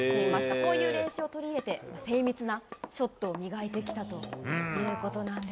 こういう練習を取り入れて、精密なショットを磨いてきたということなんです。